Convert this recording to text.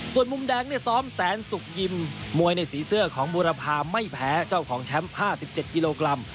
ส่วนมุมแดงเนี่ยซ้อมแสนสุกยิมมวยในสีเสื้อของบุรพาไม่แพ้เจ้าของแชมป์๕๗กิโลกรัม